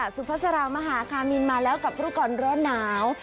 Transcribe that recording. สุพสรมาฮาคามินมาแล้วกับผู้กรรมร่าหนาว